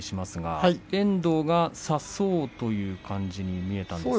遠藤が差そうという感じに見えました。